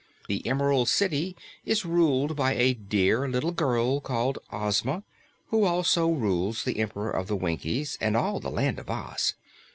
The Emerald City is ruled by a dear little girl called Ozma, who also rules the Emperor of the Winkies and all the Land of Oz.